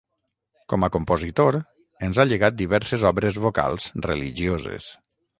Com a compositor, ens ha llegat diverses obres vocals religioses.